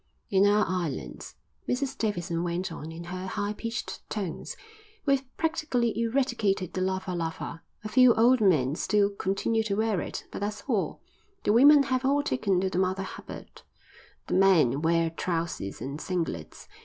"In our islands," Mrs Davidson went on in her high pitched tones, "we've practically eradicated the lava lava. A few old men still continue to wear it, but that's all. The women have all taken to the Mother Hubbard, and the men wear trousers and singlets.